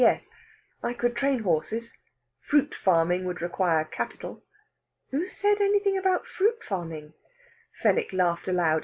Yes I could train horses. Fruit farming would require capital." "Who said anything about fruit farming?" Fenwick laughed aloud.